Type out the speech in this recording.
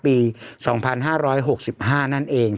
ปี๒๕๖๕นั่นเอง